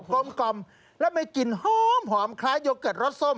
กลมกล่อมและมีกลิ่นหอมหอมคล้ายโยเกิร์ตรส้ม